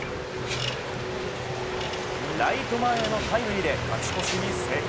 ライト前のタイムリーで勝ち越しに成功。